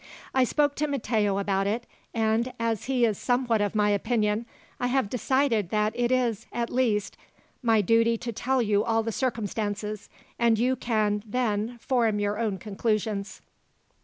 I spoke to Matteo about it, and, as he is somewhat of my opinion, I have decided that it is, at least, my duty to tell you all the circumstances, and you can then form your own conclusions."